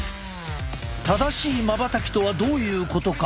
「正しいまばたき」とはどういうことか。